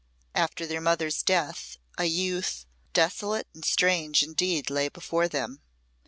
After their mother's death a youth desolate and strange indeed lay before them.